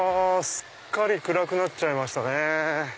すっかり暗くなっちゃいましたね。